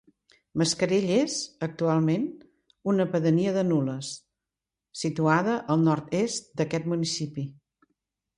Mascarell és, actualment, una pedania de Nules, situada al nord-est d'aquest municipi.